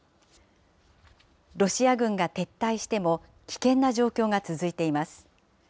ロシア軍が撤退しても危険な状況が続いています。